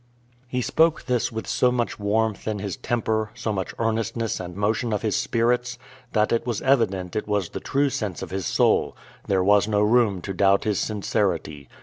He spoke this with so much warmth in his temper, so much earnestness and motion of his spirits, that it was evident it was the true sense of his soul; there was no room to doubt his sincerity.